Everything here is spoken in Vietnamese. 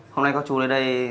hôm nay có chú đến đây